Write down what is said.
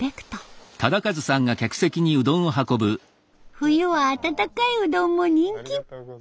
冬は温かいうどんも人気！